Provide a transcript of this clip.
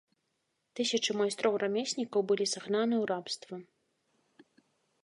Тысячы майстроў-рамеснікаў былі сагнаны ў рабства.